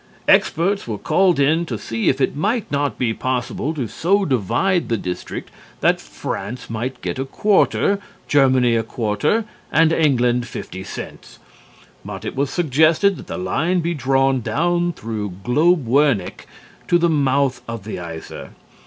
Experts were called in to see if it might not be possible to so divide the district that France might get a quarter, Germany a quarter and England fifty cents. It was suggested that the line be drawn down through Globe Wernicke to the mouth of the Iser.